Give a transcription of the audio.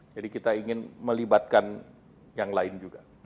jadi kita ingin melibatkan yang lain juga